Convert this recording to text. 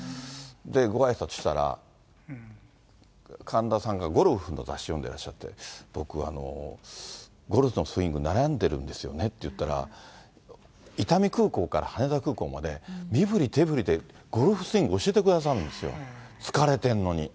僕があいさつしたら、神田さんがゴルフの雑誌を読んでらっしゃって、僕、ゴルフのスイング悩んでるんですよねって言ったら、伊丹空港から羽田空港まで、身ぶり手ぶりでゴルフスイングを教えてくださるんですよ、疲れてるのに。